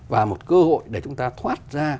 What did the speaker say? và một cơ hội để chúng ta thoát ra